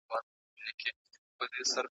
په عمر د پښتو ژبي یو شاعر .